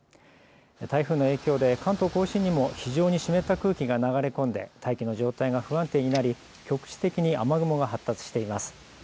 台風の影響で関東甲信にも非常に湿った空気が流れ込んで大気の状態が不安定になり局地的に雨雲が発達しています。